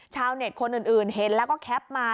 ชาวเน็ตคนอื่นเห็นแล้วก็แคปมา